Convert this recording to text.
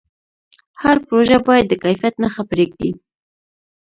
هر پروژه باید د کیفیت نښه پرېږدي.